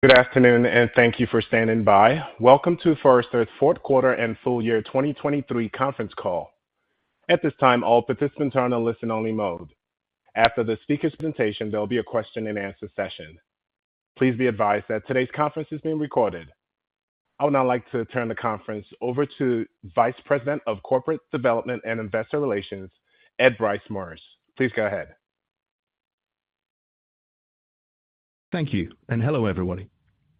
Good afternoon and thank you for standing by. Welcome to Forrester's Fourth Quarter and Full-Year 2023 conference call. At this time, all participants are in a listen-only mode. After the speaker's presentation, there will be a question-and-answer session. Please be advised that today's conference is being recorded. I would now like to turn the conference over to Vice President of Corporate Development and Investor Relations, Ed Bryce Morris. Please go ahead. Thank you, and hello everybody.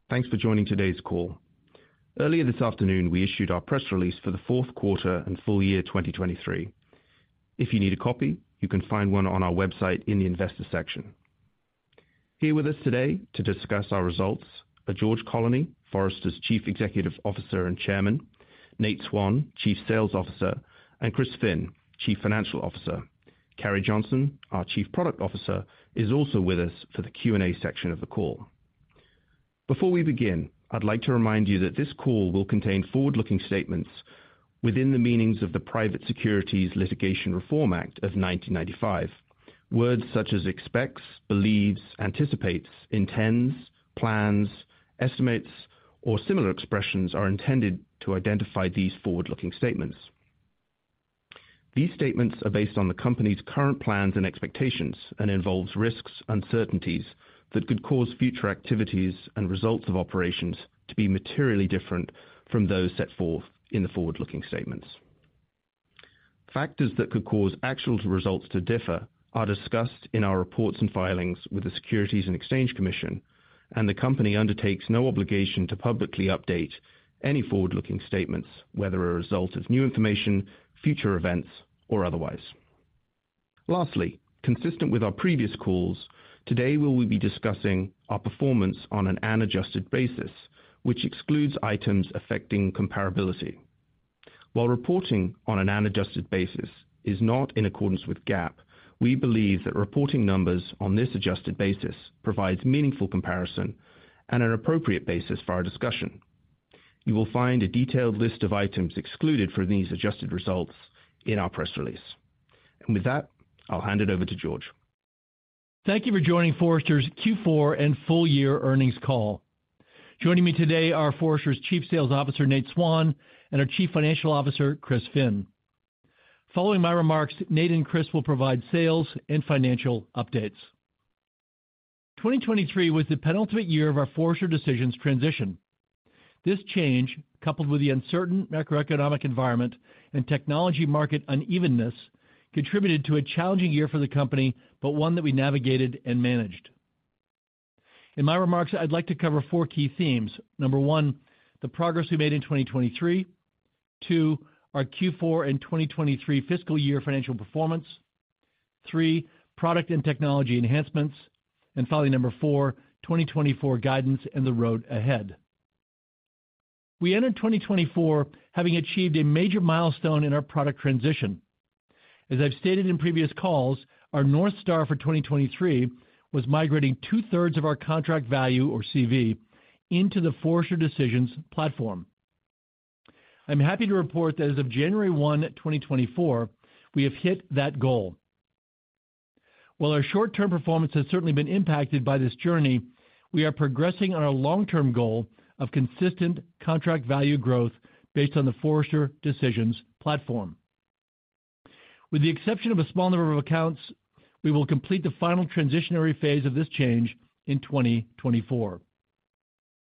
Thanks for joining today's call. Earlier this afternoon, we issued our press release for the fourth quarter and full year 2023. If you need a copy, you can find one on our website in the Investor section. Here with us today to discuss our results are George Colony, Forrester's Chief Executive Officer and Chairman, Nate Swan, Chief Sales Officer, and Chris Finn, Chief Financial Officer. Carrie Johnson, our Chief Product Officer, is also with us for the Q&A section of the call. Before we begin, I'd like to remind you that this call will contain forward-looking statements within the meanings of the Private Securities Litigation Reform Act of 1995. Words such as expects, believes, anticipates, intends, plans, estimates, or similar expressions are intended to identify these forward-looking statements. These statements are based on the company's current plans and expectations and involve risks, uncertainties that could cause future activities and results of operations to be materially different from those set forth in the forward-looking statements. Factors that could cause actual results to differ are discussed in our reports and filings with the Securities and Exchange Commission, and the company undertakes no obligation to publicly update any forward-looking statements, whether a result of new information, future events, or otherwise. Lastly, consistent with our previous calls, today we will be discussing our performance on an unadjusted basis, which excludes items affecting comparability. While reporting on an unadjusted basis is not in accordance with GAAP, we believe that reporting numbers on this adjusted basis provides meaningful comparison and an appropriate basis for our discussion. You will find a detailed list of items excluded from these adjusted results in our press release. With that, I'll hand it over to George. Thank you for joining Forrester's Q4 and full-year earnings call. Joining me today are Forrester's Chief Sales Officer, Nate Swan, and our Chief Financial Officer, Chris Finn. Following my remarks, Nate and Chris will provide sales and financial updates. 2023 was the penultimate year of our Forrester Decisions transition. This change, coupled with the uncertain macroeconomic environment and technology market unevenness, contributed to a challenging year for the company, but one that we navigated and managed. In my remarks, I'd like to cover four key themes. Number one, the progress we made in 2023. Two, our Q4 and 2023 fiscal year financial performance. Three, product and technology enhancements. And finally, number four, 2024 guidance and the road ahead. We entered 2024 having achieved a major milestone in our product transition. As I've stated in previous calls, our North Star for 2023 was migrating two-thirds of our contract value, or CV, into the Forrester Decisions platform. I'm happy to report that as of January 1, 2024, we have hit that goal. While our short-term performance has certainly been impacted by this journey, we are progressing on our long-term goal of consistent contract value growth based on the Forrester Decisions platform. With the exception of a small number of accounts, we will complete the final transitionary phase of this change in 2024.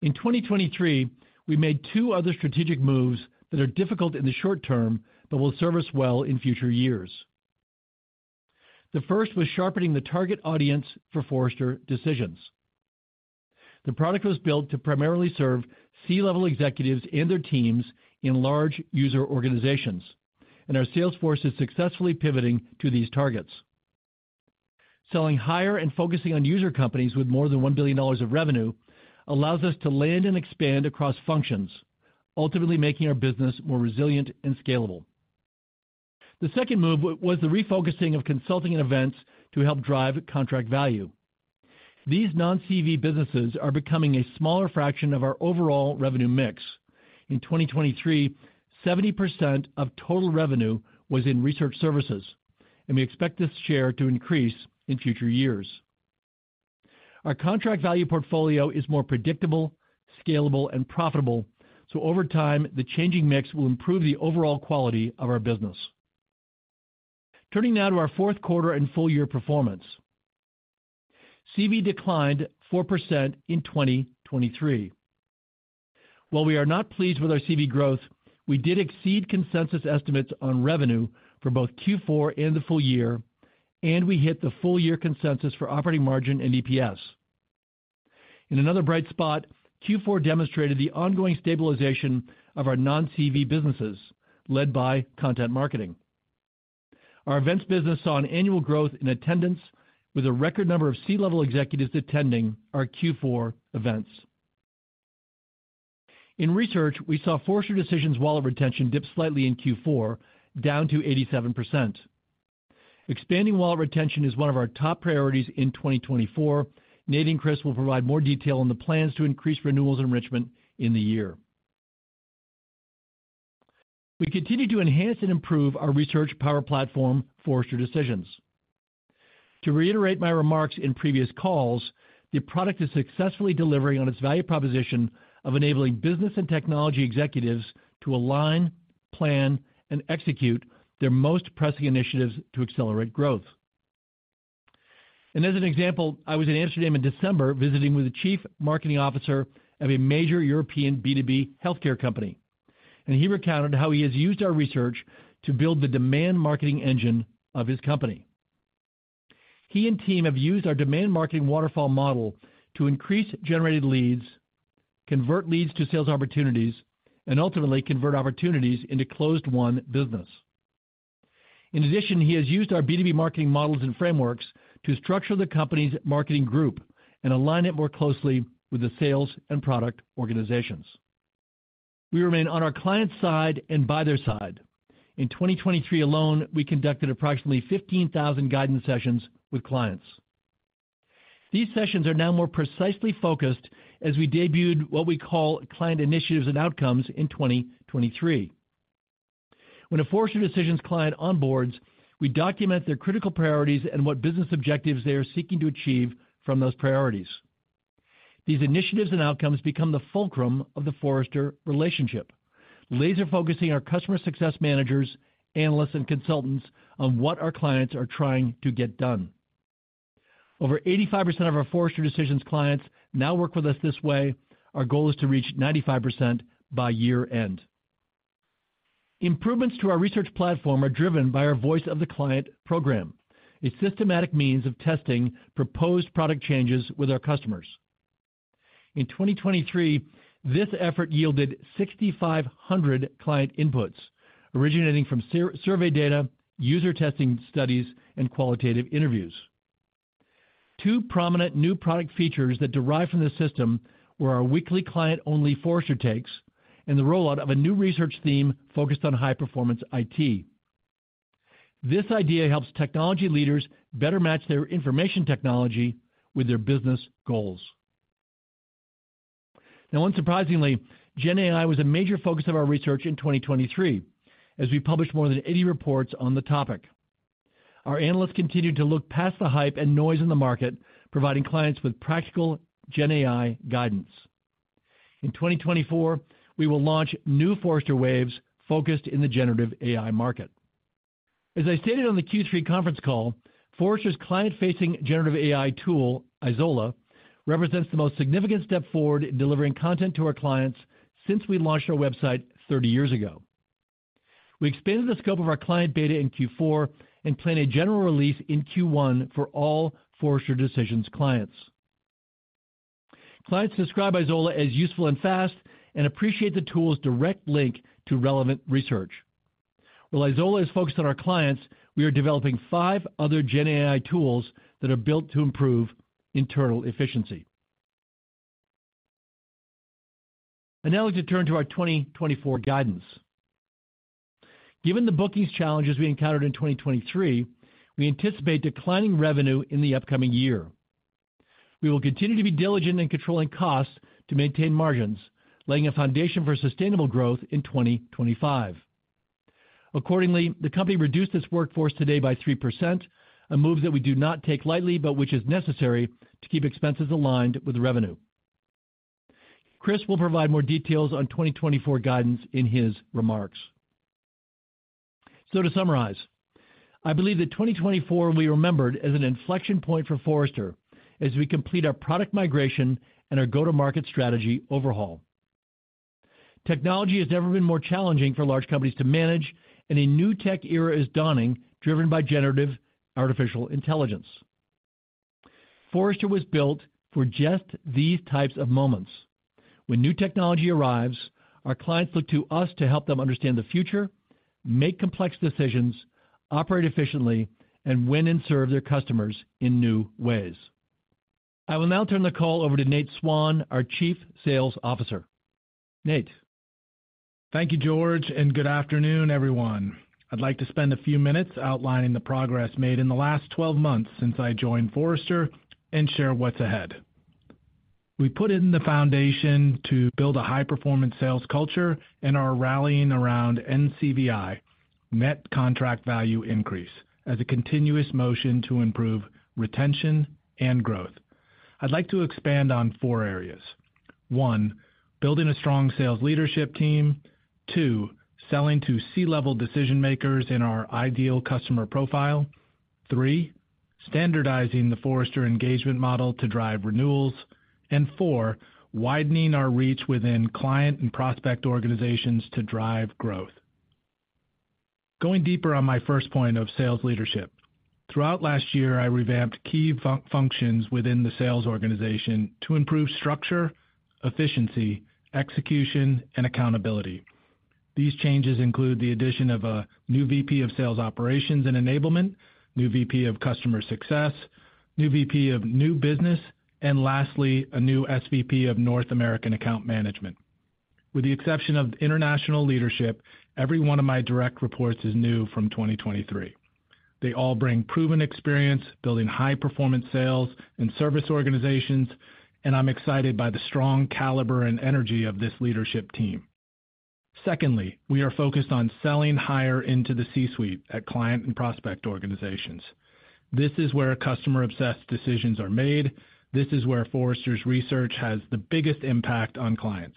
In 2023, we made two other strategic moves that are difficult in the short term but will serve us well in future years. The first was sharpening the target audience for Forrester Decisions. The product was built to primarily serve C-level executives and their teams in large user organizations, and our sales force is successfully pivoting to these targets. Selling higher and focusing on user companies with more than $1 billion of revenue allows us to land and expand across functions, ultimately making our business more resilient and scalable. The second move was the refocusing of consulting and events to help drive contract value. These non-CV businesses are becoming a smaller fraction of our overall revenue mix. In 2023, 70% of total revenue was in research services, and we expect this share to increase in future years. Our contract value portfolio is more predictable, scalable, and profitable, so over time, the changing mix will improve the overall quality of our business. Turning now to our fourth quarter and full year performance. CV declined 4% in 2023. While we are not pleased with our CV growth, we did exceed consensus estimates on revenue for both Q4 and the full year, and we hit the full year consensus for operating margin and EPS. In another bright spot, Q4 demonstrated the ongoing stabilization of our non-CV businesses, led by content marketing. Our events business saw an annual growth in attendance, with a record number of C-level executives attending our Q4 events. In research, we saw Forrester Decisions Wallet Retention dip slightly in Q4, down to 87%. Expanding Wallet Retention is one of our top priorities in 2024. Nate and Chris will provide more detail on the plans to increase renewals enrichment in the year. We continue to enhance and improve our research power platform, Forrester Decisions. To reiterate my remarks in previous calls, the product is successfully delivering on its value proposition of enabling business and technology executives to align, plan, and execute their most pressing initiatives to accelerate growth. As an example, I was in Amsterdam in December visiting with the Chief Marketing Officer of a major European B2B healthcare company, and he recounted how he has used our research to build the demand marketing engine of his company. He and team have used our demand marketing waterfall model to increase generated leads, convert leads to sales opportunities, and ultimately convert opportunities into closed-won business. In addition, he has used our B2B marketing models and frameworks to structure the company's marketing group and align it more closely with the sales and product organizations. We remain on our client's side and buyer's side. In 2023 alone, we conducted approximately 15,000 guidance sessions with clients. These sessions are now more precisely focused as we debuted what we call Client Initiatives and Outcomes in 2023. When a Forrester Decisions client onboards, we document their critical priorities and what business objectives they are seeking to achieve from those priorities. These initiatives and outcomes become the fulcrum of the Forrester relationship, laser-focusing our customer success managers, analysts, and consultants on what our clients are trying to get done. Over 85% of our Forrester Decisions clients now work with us this way. Our goal is to reach 95% by year-end. Improvements to our research platform are driven by our Voice of the Client program, a systematic means of testing proposed product changes with our customers. In 2023, this effort yielded 6,500 client inputs originating from survey data, user testing studies, and qualitative interviews. Two prominent new product features that derive from the system were our weekly client-only Forrester Takes and the rollout of a new research theme focused on High-Performance IT. This idea helps technology leaders better match their information technology with their business goals. Now, unsurprisingly, GenAI was a major focus of our research in 2023 as we published more than 80 reports on the topic. Our analysts continue to look past the hype and noise in the market, providing clients with practical GenAI guidance. In 2024, we will launch new Forrester Waves focused in the generative AI market. As I stated on the Q3 conference call, Forrester's client-facing generative AI tool, Izola, represents the most significant step forward in delivering content to our clients since we launched our website 30 years ago. We expanded the scope of our client data in Q4 and plan a general release in Q1 for all Forrester Decisions clients. Clients describe Izola as useful and fast and appreciate the tool's direct link to relevant research. While Izola is focused on our clients, we are developing five other GenAI tools that are built to improve internal efficiency. And now let's return to our 2024 guidance. Given the bookings challenges we encountered in 2023, we anticipate declining revenue in the upcoming year. We will continue to be diligent in controlling costs to maintain margins, laying a foundation for sustainable growth in 2025. Accordingly, the company reduced its workforce today by 3%, a move that we do not take lightly but which is necessary to keep expenses aligned with revenue. Chris will provide more details on 2024 guidance in his remarks. To summarize, I believe that 2024 will be remembered as an inflection point for Forrester as we complete our product migration and our go-to-market strategy overhaul. Technology has never been more challenging for large companies to manage, and a new tech era is dawning driven by generative artificial intelligence. Forrester was built for just these types of moments. When new technology arrives, our clients look to us to help them understand the future, make complex decisions, operate efficiently, and win and serve their customers in new ways. I will now turn the call over to Nate Swan, our Chief Sales Officer. Nate. Thank you, George, and good afternoon, everyone. I'd like to spend a few minutes outlining the progress made in the last 12 months since I joined Forrester and share what's ahead. We put in the foundation to build a high-performance sales culture and are rallying around NCVI, Net Contract Value Increase, as a continuous motion to improve retention and growth. I'd like to expand on four areas: one, building a strong sales leadership team; two, selling to C-level decision makers in our ideal customer profile; three, standardizing the Forrester engagement model to drive renewals; and four, widening our reach within client and prospect organizations to drive growth. Going deeper on my first point of sales leadership, throughout last year, I revamped key functions within the sales organization to improve structure, efficiency, execution, and accountability. These changes include the addition of a new VP of Sales Operations and Enablement, new VP of Customer Success, new VP of New Business, and lastly, a new SVP of North American Account Management. With the exception of international leadership, every one of my direct reports is new from 2023. They all bring proven experience building high-performance sales and service organizations, and I'm excited by the strong caliber and energy of this leadership team. Secondly, we are focused on selling higher into the C-suite at client and prospect organizations. This is where customer-obsessed decisions are made. This is where Forrester's research has the biggest impact on clients.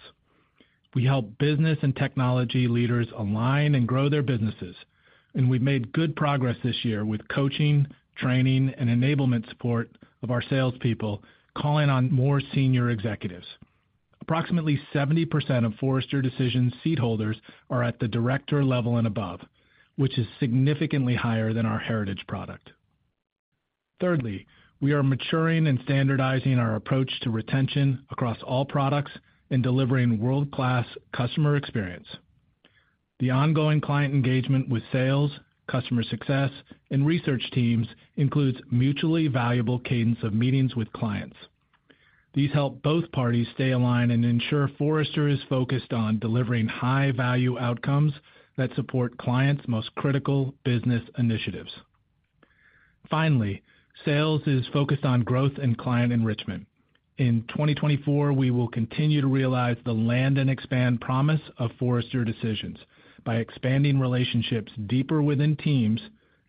We help business and technology leaders align and grow their businesses, and we've made good progress this year with coaching, training, and enablement support of our salespeople calling on more senior executives. Approximately 70% of Forrester Decisions seat holders are at the director level and above, which is significantly higher than our heritage product. Thirdly, we are maturing and standardizing our approach to retention across all products and delivering world-class customer experience. The ongoing client engagement with sales, customer success, and research teams includes mutually valuable cadence of meetings with clients. These help both parties stay aligned and ensure Forrester is focused on delivering high-value outcomes that support clients' most critical business initiatives. Finally, sales is focused on growth and client enrichment. In 2024, we will continue to realize the land and expand promise of Forrester Decisions by expanding relationships deeper within teams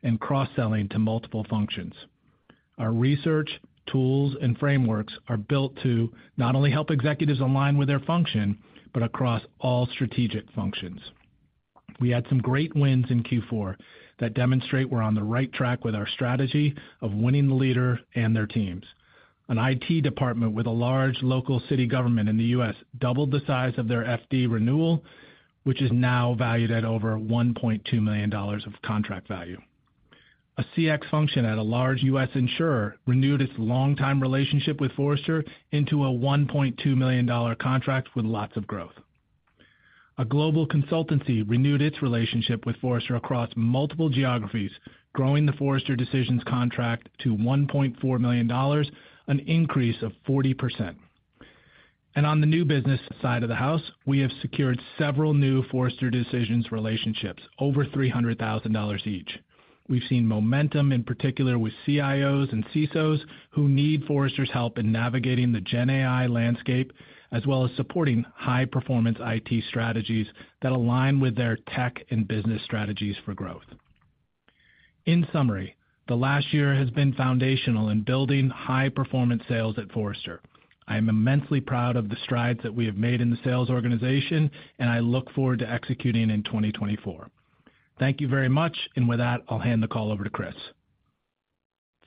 and cross-selling to multiple functions. Our research, tools, and frameworks are built to not only help executives align with their function but across all strategic functions. We had some great wins in Q4 that demonstrate we're on the right track with our strategy of winning the leader and their teams. An IT department with a large local city government in the U.S. doubled the size of their FD renewal, which is now valued at over $1.2 million of contract value. A CX function at a large U.S. insurer renewed its long-time relationship with Forrester into a $1.2 million contract with lots of growth. A global consultancy renewed its relationship with Forrester across multiple geographies, growing the Forrester Decisions contract to $1.4 million, an increase of 40%. And on the new business side of the house, we have secured several new Forrester Decisions relationships, over $300,000 each. We've seen momentum, in particular with CIOs and CISOs who need Forrester's help in navigating the GenAI landscape as well as supporting High-Performance IT strategies that align with their tech and business strategies for growth. In summary, the last year has been foundational in building high-performance sales at Forrester. I am immensely proud of the strides that we have made in the sales organization, and I look forward to executing in 2024. Thank you very much, and with that, I'll hand the call over to Chris.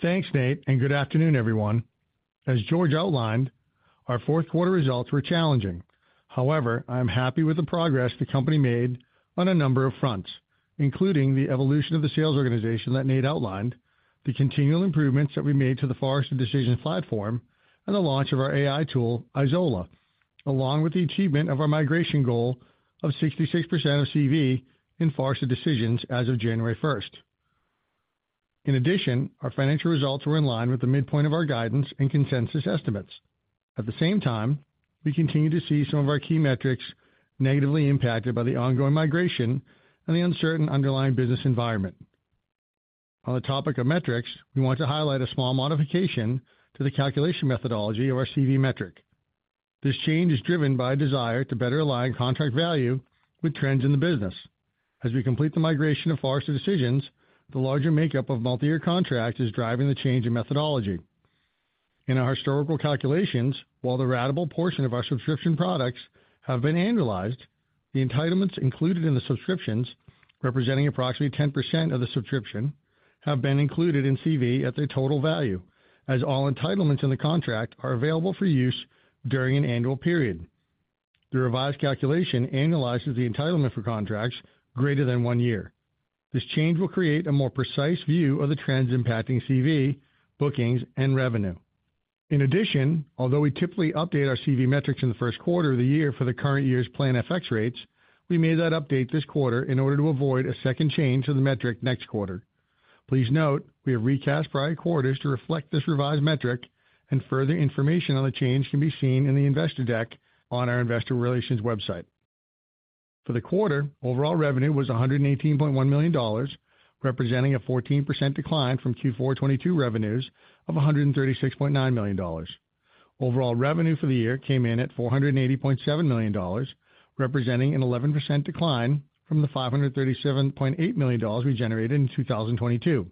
Thanks, Nate, and good afternoon, everyone. As George outlined, our fourth quarter results were challenging. However, I'm happy with the progress the company made on a number of fronts, including the evolution of the sales organization that Nate outlined, the continual improvements that we made to the Forrester Decisions platform, and the launch of our AI tool, Izola, along with the achievement of our migration goal of 66% of CV in Forrester Decisions as of January 1st. In addition, our financial results were in line with the midpoint of our guidance and consensus estimates. At the same time, we continue to see some of our key metrics negatively impacted by the ongoing migration and the uncertain underlying business environment. On the topic of metrics, we want to highlight a small modification to the calculation methodology of our CV metric. This change is driven by a desire to better align contract value with trends in the business. As we complete the migration of Forrester Decisions, the larger makeup of multi-year contracts is driving the change in methodology. In our historical calculations, while the ratable portion of our subscription products have been annualized, the entitlements included in the subscriptions, representing approximately 10% of the subscription, have been included in CV at their total value as all entitlements in the contract are available for use during an annual period. The revised calculation annualizes the entitlement for contracts greater than one year. This change will create a more precise view of the trends impacting CV, bookings, and revenue. In addition, although we typically update our CV metrics in the first quarter of the year for the current year's plan FX rates, we made that update this quarter in order to avoid a second change to the metric next quarter. Please note, we have recast prior quarters to reflect this revised metric, and further information on the change can be seen in the investor deck on our investor relations website. For the quarter, overall revenue was $118.1 million, representing a 14% decline from Q4 2022 revenues of $136.9 million. Overall revenue for the year came in at $480.7 million, representing an 11% decline from the $537.8 million we generated in 2022.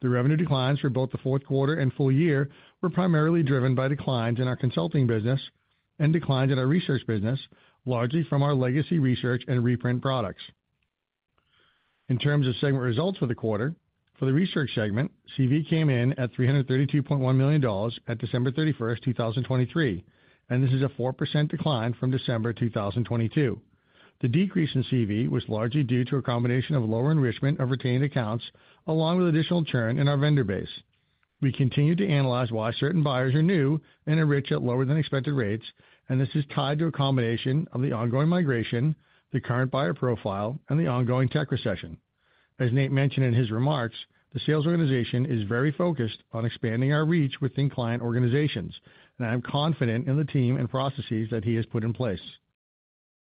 The revenue declines for both the fourth quarter and full year were primarily driven by declines in our consulting business and declines in our research business, largely from our legacy research and reprint products. In terms of segment results for the quarter, for the research segment, CV came in at $332.1 million at December 31st, 2023, and this is a 4% decline from December 2022. The decrease in CV was largely due to a combination of lower enrichment of retained accounts along with additional churn in our vendor base. We continue to analyze why certain buyers are new and enrich at lower than expected rates, and this is tied to a combination of the ongoing migration, the current buyer profile, and the ongoing tech recession. As Nate mentioned in his remarks, the sales organization is very focused on expanding our reach within client organizations, and I am confident in the team and processes that he has put in place.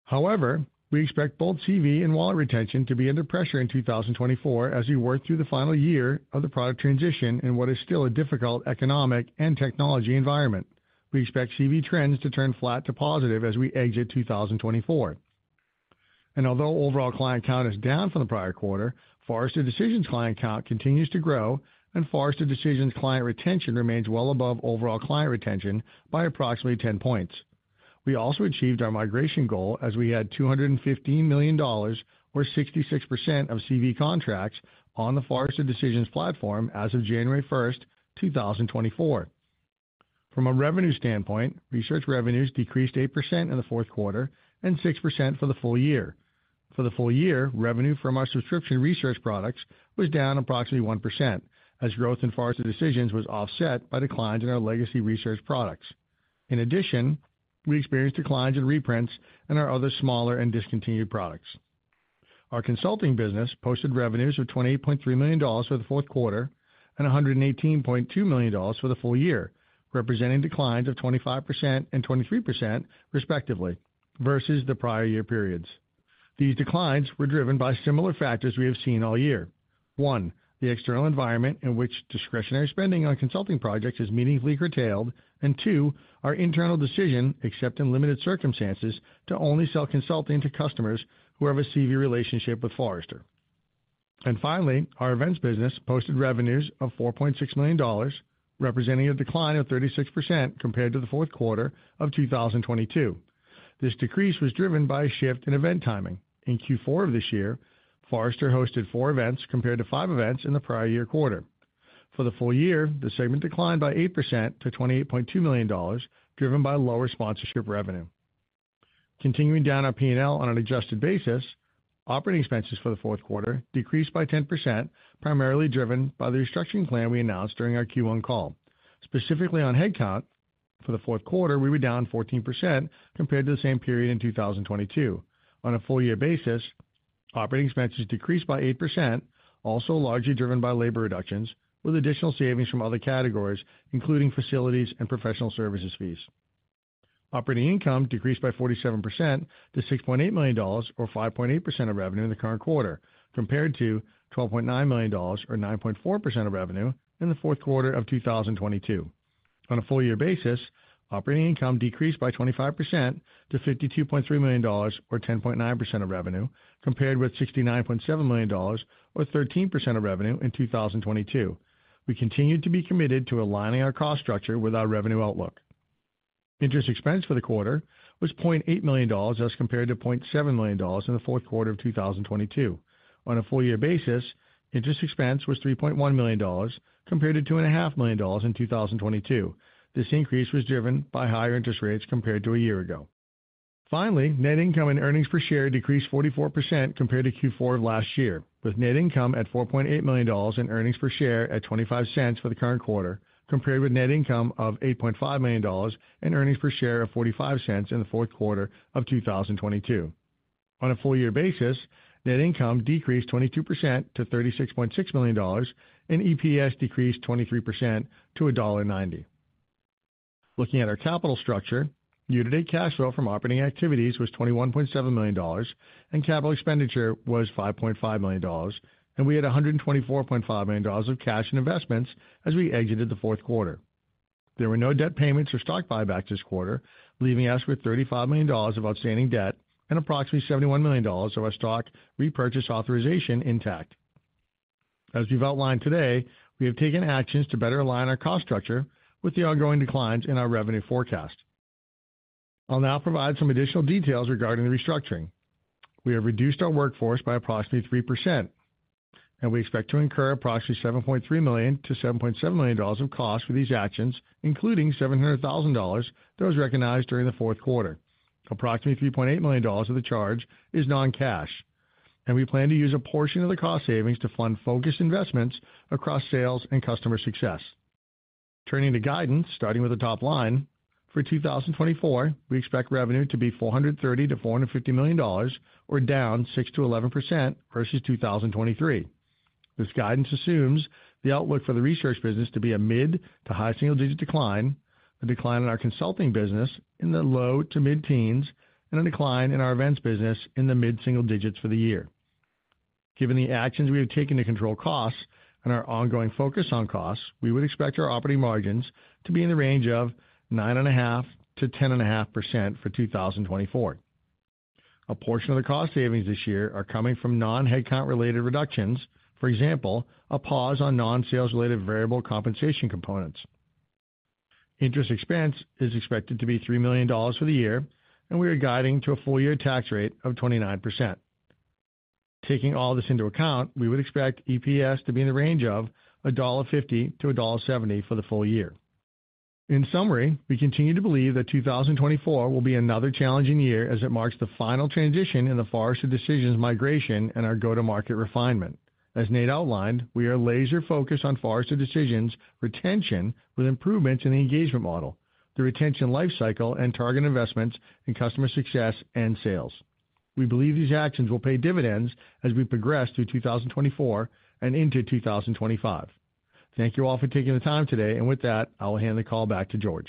However, we expect both CV and Wallet Retention to be under pressure in 2024 as we work through the final year of the product transition in what is still a difficult economic and technology environment. We expect CV trends to turn flat to positive as we exit 2024. And although overall client count is down from the prior quarter, Forrester Decisions client count continues to grow, and Forrester Decisions client retention remains well above overall client retention by approximately 10 points. We also achieved our migration goal as we had $215 million, or 66% of CV contracts, on the Forrester Decisions platform as of January 1st, 2024. From a revenue standpoint, research revenues decreased 8% in the fourth quarter and 6% for the full year. For the full year, revenue from our subscription research products was down approximately 1% as growth in Forrester Decisions was offset by declines in our legacy research products. In addition, we experienced declines in reprints and our other smaller and discontinued products. Our consulting business posted revenues of $28.3 million for the fourth quarter and $118.2 million for the full year, representing declines of 25% and 23% respectively versus the prior year periods. These declines were driven by similar factors we have seen all year: one, the external environment in which discretionary spending on consulting projects is meaningfully curtailed, and two, our internal decision, except in limited circumstances, to only sell consulting to customers who have a CV relationship with Forrester. And finally, our events business posted revenues of $4.6 million, representing a decline of 36% compared to the fourth quarter of 2022. This decrease was driven by a shift in event timing. In Q4 of this year, Forrester hosted four events compared to five events in the prior year quarter. For the full year, the segment declined by 8% to $28.2 million, driven by lower sponsorship revenue. Continuing down our P&L on an adjusted basis, operating expenses for the fourth quarter decreased by 10%, primarily driven by the restructuring plan we announced during our Q1 call. Specifically on headcount, for the fourth quarter, we were down 14% compared to the same period in 2022. On a full-year basis, operating expenses decreased by 8%, also largely driven by labor reductions with additional savings from other categories, including facilities and professional services fees. Operating income decreased by 47% to $6.8 million, or 5.8% of revenue in the current quarter, compared to $12.9 million, or 9.4% of revenue in the fourth quarter of 2022. On a full-year basis, operating income decreased by 25% to $52.3 million, or 10.9% of revenue, compared with $69.7 million, or 13% of revenue in 2022. We continue to be committed to aligning our cost structure with our revenue outlook. Interest expense for the quarter was $0.8 million as compared to $0.7 million in the fourth quarter of 2022. On a full-year basis, interest expense was $3.1 million compared to $2.5 million in 2022. This increase was driven by higher interest rates compared to a year ago. Finally, net income and earnings per share decreased 44% compared to Q4 of last year, with net income at $4.8 million and earnings per share at $0.25 for the current quarter compared with net income of $8.5 million and earnings per share of $0.45 in the fourth quarter of 2022. On a full-year basis, net income decreased 22% to $36.6 million, and EPS decreased 23% to $1.90. Looking at our capital structure, year-to-date cash flow from operating activities was $21.7 million, and capital expenditure was $5.5 million, and we had $124.5 million of cash and investments as we exited the fourth quarter. There were no debt payments or stock buybacks this quarter, leaving us with $35 million of outstanding debt and approximately $71 million of our stock repurchase authorization intact. As we've outlined today, we have taken actions to better align our cost structure with the ongoing declines in our revenue forecast. I'll now provide some additional details regarding the restructuring. We have reduced our workforce by approximately 3%, and we expect to incur approximately $7.3 million-$7.7 million of costs for these actions, including $700,000 that was recognized during the fourth quarter. Approximately $3.8 million of the charge is non-cash, and we plan to use a portion of the cost savings to fund focused investments across sales and customer success. Turning to guidance, starting with the top line, for 2024, we expect revenue to be $430 million-$450 million, or down 6%-11% versus 2023. This guidance assumes the outlook for the research business to be a mid to high single-digit decline, a decline in our consulting business in the low to mid-teens, and a decline in our events business in the mid-single digits for the year. Given the actions we have taken to control costs and our ongoing focus on costs, we would expect our operating margins to be in the range of 9.5%-10.5% for 2024. A portion of the cost savings this year are coming from non-headcount-related reductions, for example, a pause on non-sales-related variable compensation components. Interest expense is expected to be $3 million for the year, and we are guiding to a full-year tax rate of 29%. Taking all this into account, we would expect EPS to be in the range of $1.50-$1.70 for the full year. In summary, we continue to believe that 2024 will be another challenging year as it marks the final transition in the Forrester Decisions migration and our go-to-market refinement. As Nate outlined, we are laser-focused on Forrester Decisions retention with improvements in the engagement model, the retention lifecycle and target investments, and customer success and sales. We believe these actions will pay dividends as we progress through 2024 and into 2025. Thank you all for taking the time today, and with that, I'll hand the call back to George.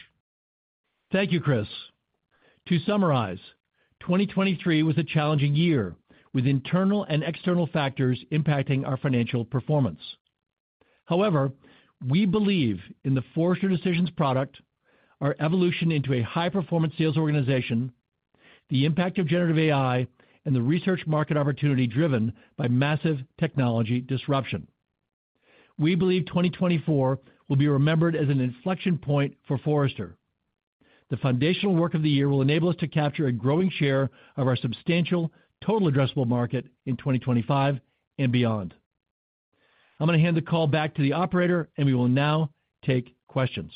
Thank you, Chris. To summarize, 2023 was a challenging year with internal and external factors impacting our financial performance. However, we believe in the Forrester Decisions product, our evolution into a high-performance sales organization, the impact of generative AI, and the research market opportunity driven by massive technology disruption. We believe 2024 will be remembered as an inflection point for Forrester. The foundational work of the year will enable us to capture a growing share of our substantial total addressable market in 2025 and beyond. I'm going to hand the call back to the operator, and we will now take questions.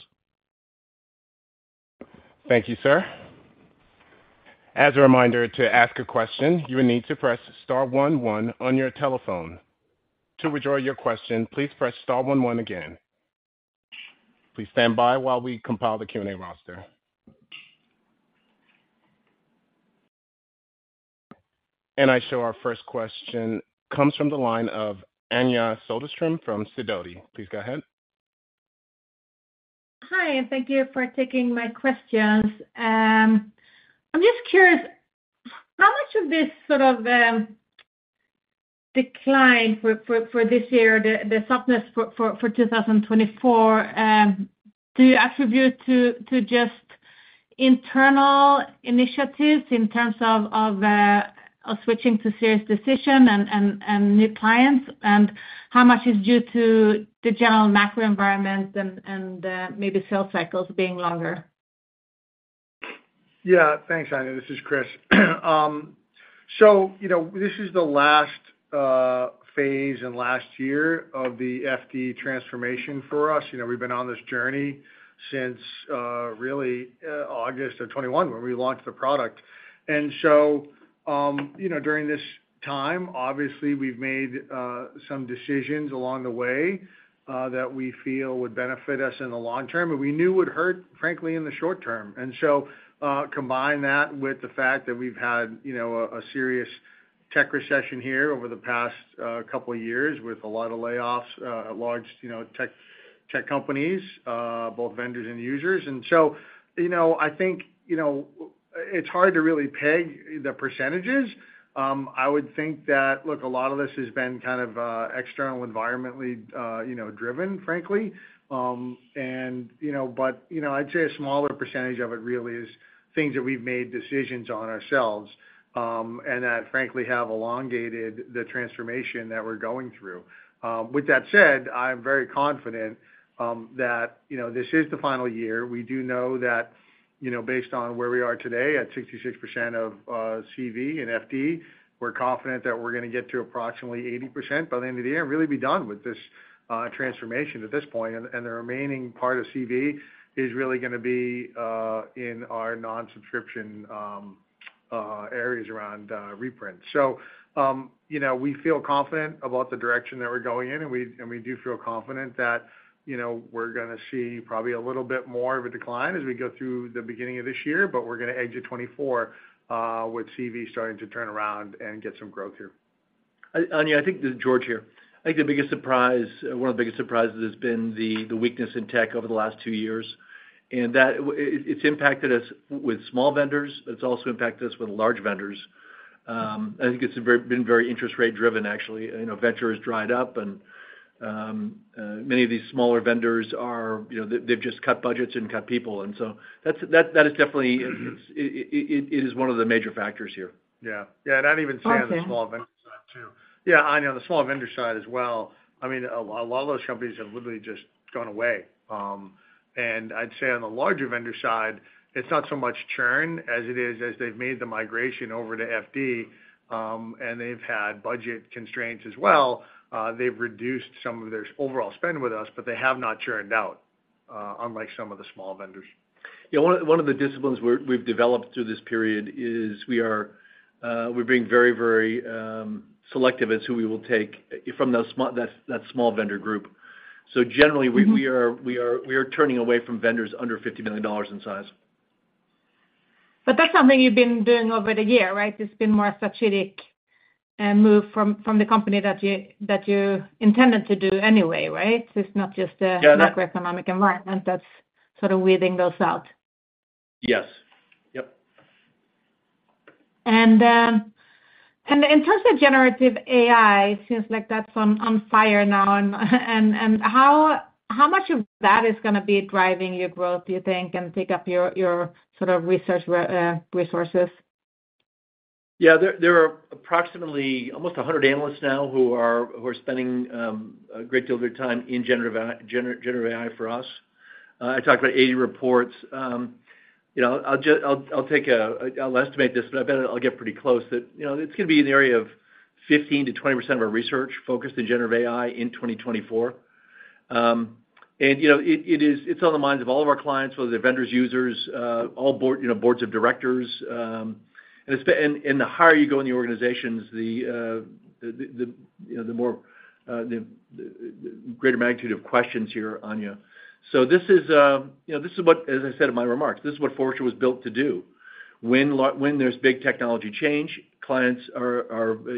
Thank you, sir. As a reminder, to ask a question, you will need to press star one one on your telephone. To withdraw your question, please press star one one again. Please stand by while we compile the Q&A roster. I see our first question comes from the line of Anja Soderstrom from Sidoti. Please go ahead. Hi, and thank you for taking my questions. I'm just curious, how much of this sort of decline for this year, the softness for 2024, do you attribute to just internal initiatives in terms of switching to Forrester Decisions and new clients, and how much is due to the general macro environment and maybe sales cycles being longer? Yeah, thanks, Anja. This is Chris. So this is the last phase and last year of the FD transformation for us. We've been on this journey since really August of 2021 when we launched the product. And so during this time, obviously, we've made some decisions along the way that we feel would benefit us in the long term, but we knew would hurt, frankly, in the short term. And so combine that with the fact that we've had a serious tech recession here over the past couple of years with a lot of layoffs at large tech companies, both vendors and users. And so I think it's hard to really peg the percentages. I would think that, look, a lot of this has been kind of external environmentally driven, frankly. But I'd say a smaller percentage of it really is things that we've made decisions on ourselves and that, frankly, have elongated the transformation that we're going through. With that said, I'm very confident that this is the final year. We do know that based on where we are today at 66% of CV and FD, we're confident that we're going to get to approximately 80% by the end of the year and really be done with this transformation at this point. And the remaining part of CV is really going to be in our non-subscription areas around reprints. So we feel confident about the direction that we're going in, and we do feel confident that we're going to see probably a little bit more of a decline as we go through the beginning of this year, but we're going to exit 2024 with CV starting to turn around and get some growth here. Anja, I think this is George here. I think the biggest surprise, one of the biggest surprises, has been the weakness in tech over the last two years. And it's impacted us with small vendors, but it's also impacted us with large vendors. I think it's been very interest rate-driven, actually. Venture has dried up, and many of these smaller vendors, they've just cut budgets and cut people. And so that is definitely it is one of the major factors here. Yeah. Yeah, and I'd even say on the small vendor side too. Yeah, Anja, on the small vendor side as well, I mean, a lot of those companies have literally just gone away. And I'd say on the larger vendor side, it's not so much churn as it is they've made the migration over to FD, and they've had budget constraints as well. They've reduced some of their overall spend with us, but they have not churned out, unlike some of the small vendors. Yeah, one of the disciplines we've developed through this period is we're being very, very selective as to who we will take from that small vendor group. So generally, we are turning away from vendors under $50 million in size. But that's something you've been doing over the year, right? It's been more a strategic move from the company that you intended to do anyway, right? It's not just a macroeconomic environment that's sort of weeding those out. Yes. Yep. In terms of generative AI, it seems like that's on fire now. How much of that is going to be driving your growth, do you think, and pick up your sort of research resources? Yeah, there are approximately almost 100 analysts now who are spending a great deal of their time in generative AI for us. I talked about 80 reports. I'll estimate this, but I bet I'll get pretty close, that it's going to be in the area of 15%-20% of our research focused in generative AI in 2024. And it's on the minds of all of our clients, whether they're vendors, users, all Boards of Directors. And the higher you go in the organizations, the greater magnitude of questions here, Anja. So this is what, as I said in my remarks, this is what Forrester was built to do. When there's big technology change, clients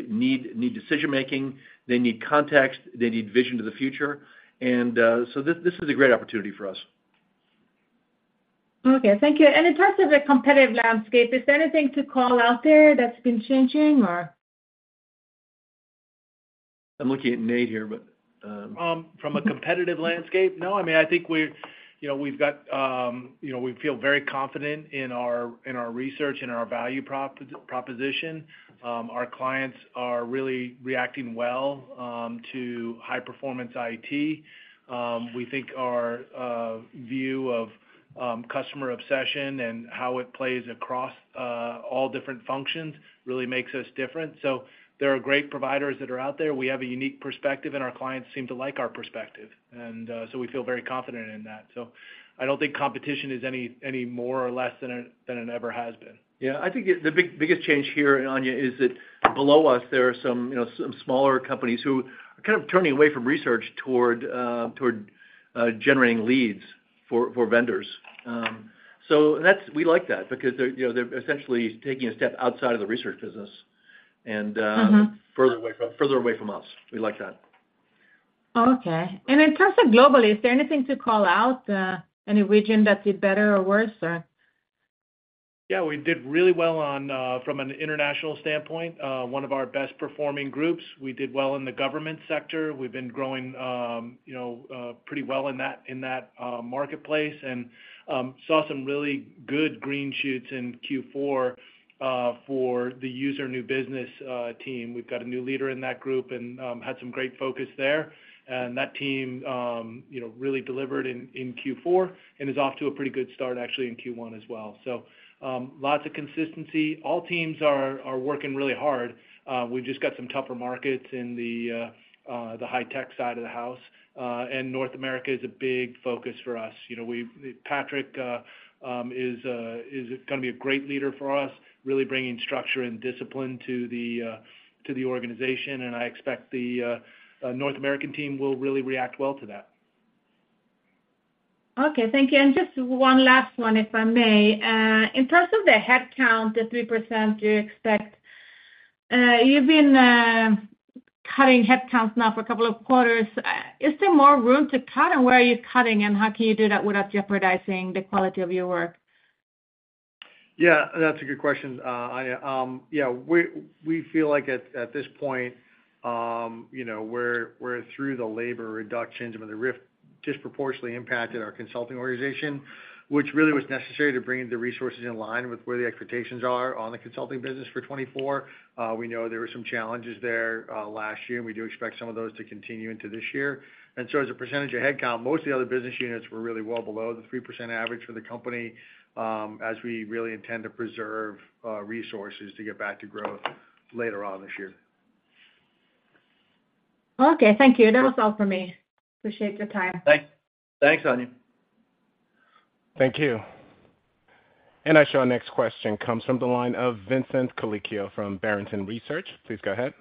need decision-making, they need context, they need vision to the future. And so this is a great opportunity for us. Okay. Thank you. In terms of the competitive landscape, is there anything to call out there that's been changing, or? I'm looking at Nate here, but. From a competitive landscape, no. I mean, I think we feel very confident in our research and in our value proposition. Our clients are really reacting well to High-Performance IT. We think our view of customer obsession and how it plays across all different functions really makes us different. So there are great providers that are out there. We have a unique perspective, and our clients seem to like our perspective. And so we feel very confident in that. So I don't think competition is any more or less than it ever has been. Yeah. I think the biggest change here, Anja, is that below us, there are some smaller companies who are kind of turning away from research toward generating leads for vendors. And we like that because they're essentially taking a step outside of the research business and further away from us. We like that. Okay. In terms of globally, is there anything to call out, any region that did better or worse, or? Yeah, we did really well from an international standpoint, one of our best-performing groups. We did well in the government sector. We've been growing pretty well in that marketplace and saw some really good green shoots in Q4 for the user new business team. We've got a new leader in that group and had some great focus there. And that team really delivered in Q4 and is off to a pretty good start, actually, in Q1 as well. So lots of consistency. All teams are working really hard. We've just got some tougher markets in the high-tech side of the house. And North America is a big focus for us. Patrick is going to be a great leader for us, really bringing structure and discipline to the organization. And I expect the North American team will really react well to that. Okay. Thank you. Just one last one, if I may. In terms of the headcount, the 3% you expect, you've been cutting headcounts now for a couple of quarters. Is there more room to cut, and where are you cutting, and how can you do that without jeopardizing the quality of your work? Yeah, that's a good question, Anja. Yeah, we feel like at this point, we're through the labor reductions. I mean, the RIF disproportionately impacted our consulting organization, which really was necessary to bring the resources in line with where the expectations are on the consulting business for 2024. We know there were some challenges there last year. We do expect some of those to continue into this year. And so as a percentage of headcount, most of the other business units were really well below the 3% average for the company as we really intend to preserve resources to get back to growth later on this year. Okay. Thank you. That was all from me. Appreciate your time. Thanks. Thanks, Anja. Thank you. Our next question comes from the line of Vincent Colicchio from Barrington Research. Please go ahead.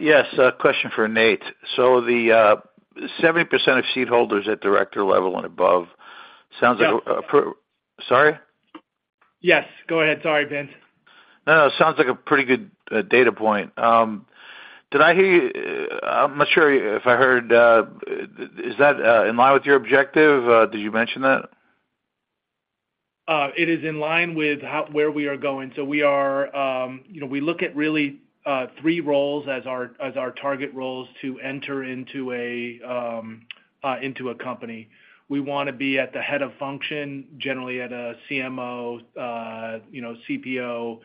Yes, a question for Nate. So the 70% of seed holders at director level and above, sounds like a sorry? Yes. Go ahead. Sorry, Vince. No, no. Sounds like a pretty good data point. Did I hear you? I'm not sure if I heard, is that in line with your objective? Did you mention that? It is in line with where we are going. So we look at really three roles as our target roles to enter into a company. We want to be at the head of function, generally at a CMO, CPO,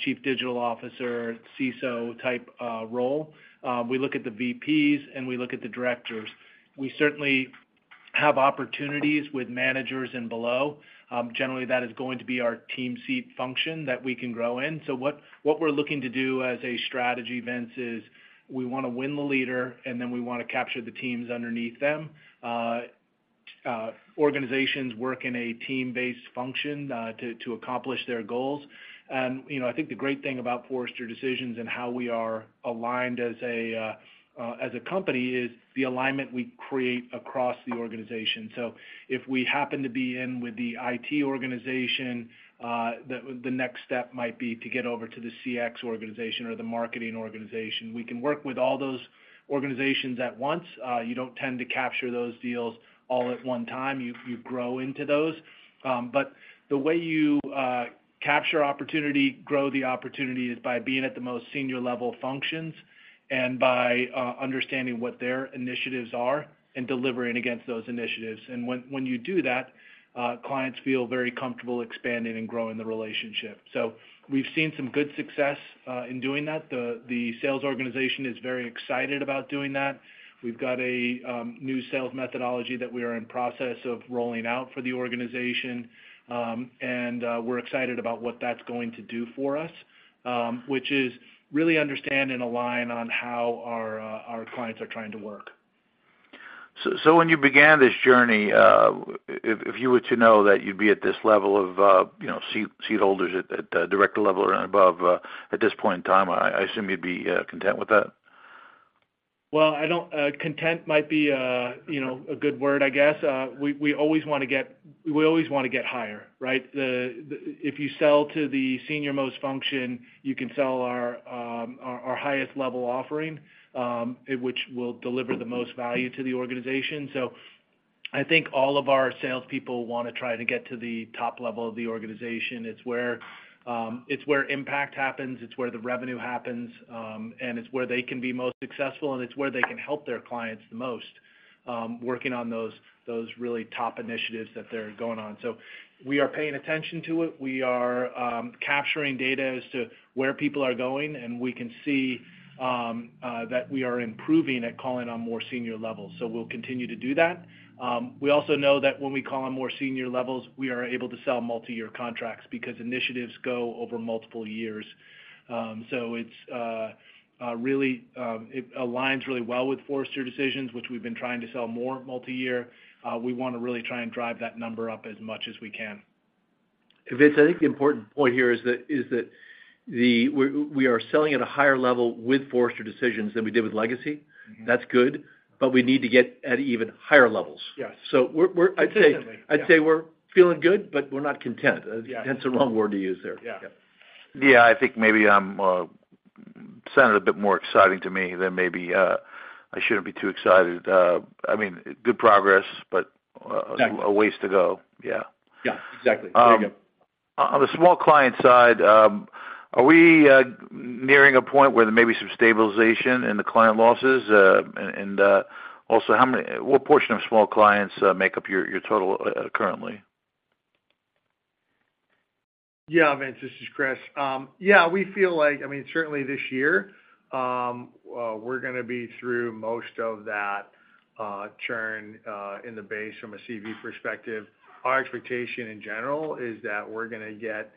chief digital officer, CISO type role. We look at the VPs, and we look at the directors. We certainly have opportunities with managers and below. Generally, that is going to be our team seat function that we can grow in. So what we're looking to do as a strategy, Vince, is we want to win the leader, and then we want to capture the teams underneath them. Organizations work in a team-based function to accomplish their goals. And I think the great thing about Forrester Decisions and how we are aligned as a company is the alignment we create across the organization. So if we happen to be in with the IT organization, the next step might be to get over to the CX organization or the marketing organization. We can work with all those organizations at once. You don't tend to capture those deals all at one time. You grow into those. But the way you capture opportunity, grow the opportunity, is by being at the most senior level functions and by understanding what their initiatives are and delivering against those initiatives. And when you do that, clients feel very comfortable expanding and growing the relationship. So we've seen some good success in doing that. The sales organization is very excited about doing that. We've got a new sales methodology that we are in process of rolling out for the organization. We're excited about what that's going to do for us, which is really understand and align on how our clients are trying to work. So when you began this journey, if you were to know that you'd be at this level of seed holders at director level and above at this point in time, I assume you'd be content with that? Well, content might be a good word, I guess. We always want to get higher, right? If you sell to the senior-most function, you can sell our highest level offering, which will deliver the most value to the organization. So I think all of our salespeople want to try to get to the top level of the organization. It's where impact happens. It's where the revenue happens. And it's where they can be most successful, and it's where they can help their clients the most working on those really top initiatives that they're going on. So we are paying attention to it. We are capturing data as to where people are going, and we can see that we are improving at calling on more senior levels. So we'll continue to do that. We also know that when we call on more senior levels, we are able to sell multi-year contracts because initiatives go over multiple years. So it really aligns really well with Forrester Decisions, which we've been trying to sell more multi-year. We want to really try and drive that number up as much as we can. Vince, I think the important point here is that we are selling at a higher level with Forrester Decisions than we did with legacy. That's good, but we need to get at even higher levels. So I'd say we're feeling good, but we're not content. Content's the wrong word to use there. Yeah. Yeah. I think maybe I sounded a bit more exciting to me than maybe I shouldn't be too excited. I mean, good progress, but a ways to go. Yeah. Yeah. Exactly. There you go. On the small client side, are we nearing a point where there may be some stabilization in the client losses? And also, what portion of small clients make up your total currently? Yeah, Vince. This is Chris. Yeah, we feel like I mean, certainly this year, we're going to be through most of that churn in the base from a CV perspective. Our expectation in general is that we're going to get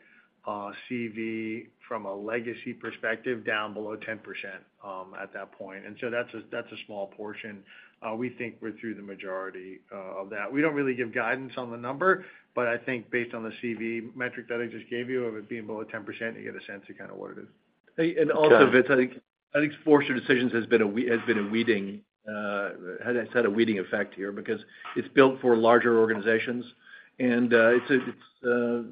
CV from a legacy perspective down below 10% at that point. And so that's a small portion. We think we're through the majority of that. We don't really give guidance on the number, but I think based on the CV metric that I just gave you, of it being below 10%, you get a sense of kind of what it is. And also, Vince, I think Forrester Decisions has been weeding. It's had a weeding effect here because it's built for larger organizations, and it's a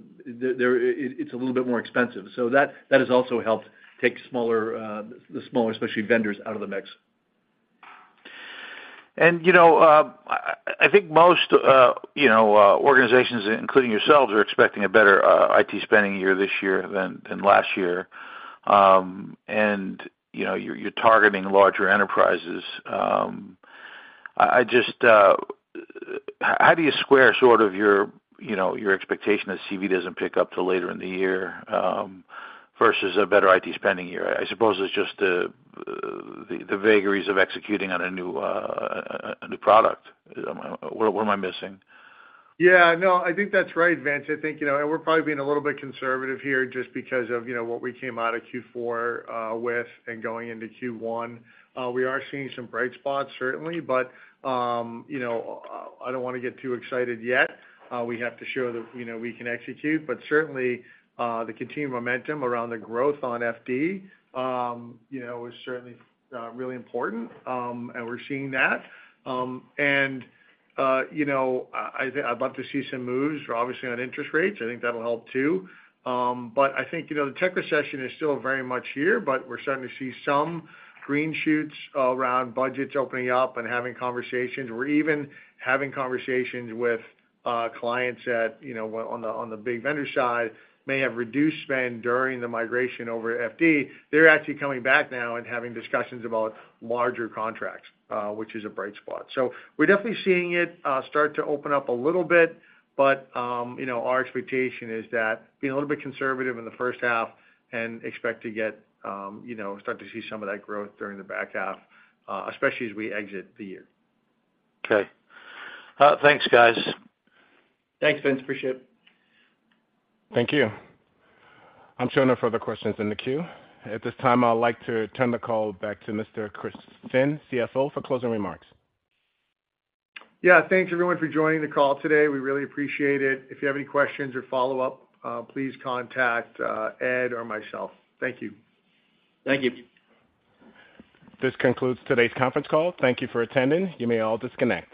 little bit more expensive. So that has also helped take the smaller, especially vendors, out of the mix. I think most organizations, including yourselves, are expecting a better IT spending year this year than last year. You're targeting larger enterprises. How do you square sort of your expectation that CV doesn't pick up till later in the year versus a better IT spending year? I suppose it's just the vagaries of executing on a new product. What am I missing? Yeah. No, I think that's right, Vince. I think, and we're probably being a little bit conservative here just because of what we came out of Q4 with and going into Q1. We are seeing some bright spots, certainly, but I don't want to get too excited yet. We have to show that we can execute. But certainly, the continued momentum around the growth on FD is certainly really important, and we're seeing that. And I'd love to see some moves, obviously, on interest rates. I think that'll help too. But I think the tech recession is still very much here, but we're starting to see some green shoots around budgets opening up and having conversations. We're even having conversations with clients on the big vendor side, may have reduced spend during the migration over to FD. They're actually coming back now and having discussions about larger contracts, which is a bright spot. So we're definitely seeing it start to open up a little bit, but our expectation is that being a little bit conservative in the first half and expect to start to see some of that growth during the back half, especially as we exit the year. Okay. Thanks, guys. Thanks, Vince. Appreciate it. Thank you. I'm showing no further questions in the queue. At this time, I'd like to turn the call back to Mr. Chris Finn, CFO, for closing remarks. Yeah. Thanks, everyone, for joining the call today. We really appreciate it. If you have any questions or follow-up, please contact Ed or myself. Thank you. Thank you. This concludes today's conference call. Thank you for attending. You may all disconnect.